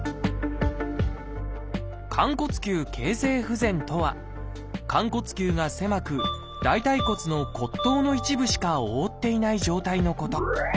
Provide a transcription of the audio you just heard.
「寛骨臼形成不全」とは寛骨臼が狭く大腿骨の骨頭の一部しか覆っていない状態のこと。